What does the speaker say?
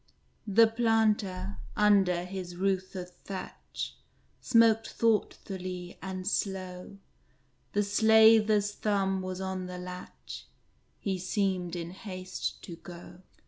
The Planter, under his roof of thatch, Smoked thoughtfully and slow; The Slaver's thumb was on the latch, He seemed in haste to go.